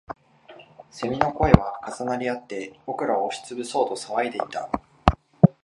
蝉の声は重なりあって、僕らを押しつぶそうと騒いでいた